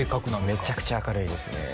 めちゃくちゃ明るいですね